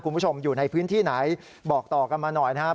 คุณผู้ชมอยู่ในพื้นที่ไหนบอกต่อกันมาหน่อยนะครับ